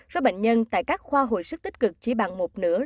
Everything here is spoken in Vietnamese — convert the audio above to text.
số bệnh nhân tại các khoa hồi sức tích cực chỉ bằng một nửa